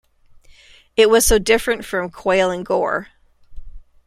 It was so different from Quayle and Gore.